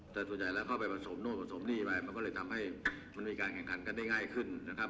แต่ส่วนใหญ่แล้วเข้าไปผสมนู่นผสมนี่ไปมันก็เลยทำให้มันมีการแข่งขันกันได้ง่ายขึ้นนะครับ